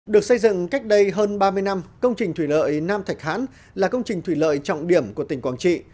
được xây dựng cách đây hơn ba mươi năm công trình thủy lợi nam thạch hãn là công trình thủy lợi trọng điểm của tỉnh quảng trị